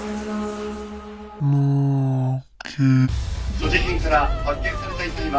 「所持品から発見された遺体は」